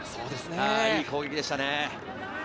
いい攻撃でしたね。